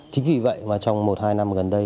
chính vì vậy mà trong một hai năm gần đây